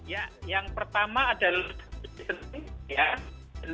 ya yang pertama adalah